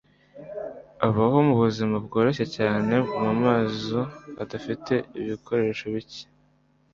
abaho mubuzima bworoshye cyane mumazu adafite ibikoresho bike.